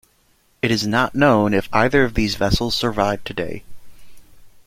It is not known if either of these vessels survive today.